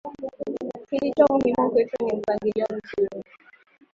kilicho muhimu kwetu ni mpangilio mzuri